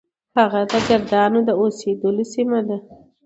هغه د کردانو د اوسیدلو سیمه ده.